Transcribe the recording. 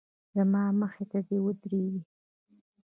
زما مخې ته دې ودرېږي.